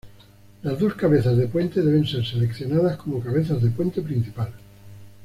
Las dos cabezas de puente deben ser seleccionadas como cabezas de puente principal.